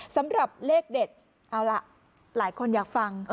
สำหรับเลขเด็ดหลายคนอยากฟัง